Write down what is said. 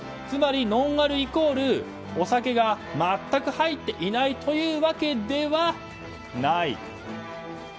つまりノンアルイコールお酒が全く入っていないというわけではない。